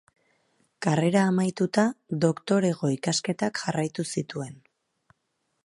Karrera amaituta, doktorego ikasketak jarraitu zituen.